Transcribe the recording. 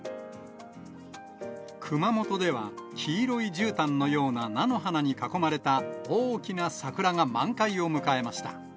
熊本では、黄色いじゅうたんのような菜の花に囲まれた大きな桜が満開を迎えました。